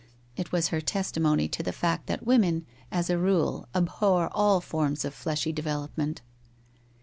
It was her testimony to the fact that women, as a rule, abhor all forms of fleshy development.